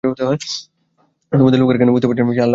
তোমাদের লোকেরা কেন বুঝতে পারছে না, যে আল্লাহ আমাদের সাথে আছেন?